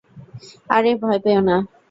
আরে, ভয় পেও না।